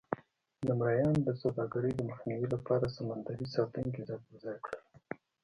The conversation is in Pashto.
د مریانو د سوداګرۍ د مخنیوي لپاره سمندري ساتونکي ځای پر ځای کړل.